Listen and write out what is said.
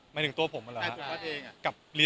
ไม่ถึงตัวผมเหรอครับ